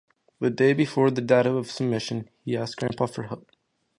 The day before the date of submission, he asks Grampa for help.